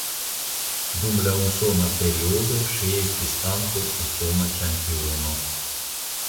Dum la usona periodo ŝi estis ankaŭ usona ĉampiono.